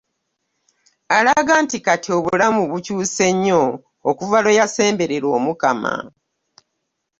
Alaga nti Kati obulamu bukyuse nnyo okuva lwe yasemberera Omukama